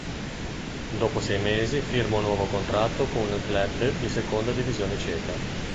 Dopo sei mesi firma un nuovo contratto con un club di seconda divisione ceca.